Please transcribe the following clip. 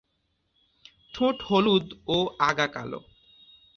ঠোঁট হলুদ ও আগা কালো।